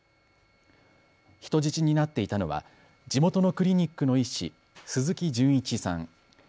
人質になっていたのは地元のクリニックの医師、鈴木純一さん。